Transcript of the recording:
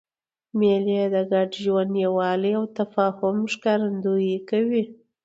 مېلې د ګډ ژوند، یووالي او تفاهم ښکارندویي کوي.